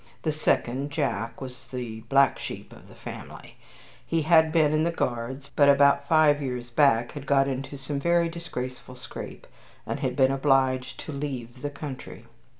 The second, Jack, was the black sheep of the family. He had been in the Guards, but, about five years back, had got into some very disgraceful scrape, and had been obliged to leave the country.